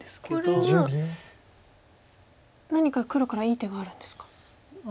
これは何か黒からいい手があるんですか。